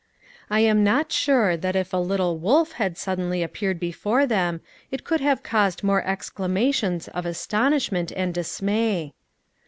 I am not sure that if a little wolf had suddenly appeared before them, it could have caused more exclamations of astonishment and dismay.